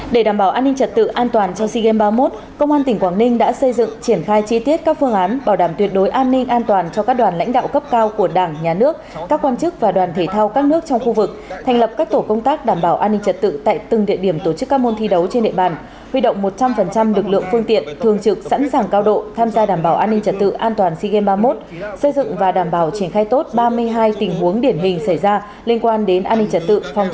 để đảm bảo an ninh trật tự an toàn cho sigem ba mươi một công an tỉnh quảng ninh đã xây dựng triển khai chi tiết các phương án bảo đảm tuyệt đối an ninh an toàn cho các đoàn lãnh đạo cấp cao của đảng nhà nước các quan chức và đoàn thể thao các nước trong khu vực thành lập các tổ công tác đảm bảo an ninh trật tự tại từng địa điểm tổ chức các môn thi đấu trên địa bàn huy động một trăm linh lực lượng phương tiện thường trực sẵn sàng cao độ tham gia đảm bảo an ninh trật tự an toàn sigem ba mươi một xây dựng và đảm bảo triển khai t